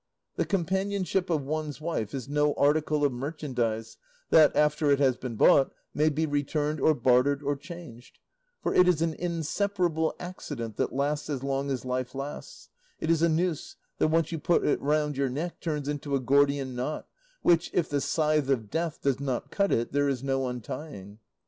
The companionship of one's wife is no article of merchandise, that, after it has been bought, may be returned, or bartered, or changed; for it is an inseparable accident that lasts as long as life lasts; it is a noose that, once you put it round your neck, turns into a Gordian knot, which, if the scythe of Death does not cut it, there is no untying.